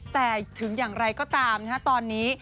แต่ถึงอย่างไรก็ตามตอนนี้